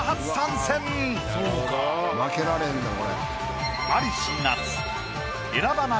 負けられへんなこれ。